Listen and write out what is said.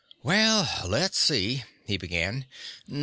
"Well, let's see," he began.